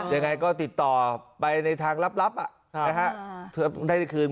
ค่ะยังไงก็ติดต่อไปในทางลับอ่ะใช่ฮะถ้าได้คืน